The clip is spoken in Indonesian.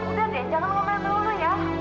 udah deh jangan ngomong dulu ya